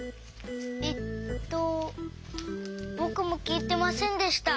えっとぼくもきいてませんでした。